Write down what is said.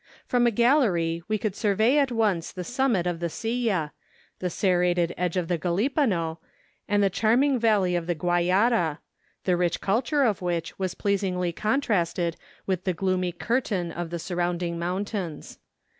From a gallery we could survey at once the summit of the Silla, the serrated ridge of the Gialipano, and the charming valley of the Guayra, the rich culture of which was pleasingly contrasted with the gloomy curtain of the surround¬ ing mountains.